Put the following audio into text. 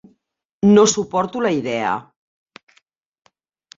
No suporto la idea.